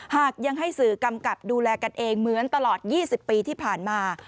หากยังให้สื่อกำกับดูแลกันเองเหมือนตลอด๒๐ปีที่ผ่านมา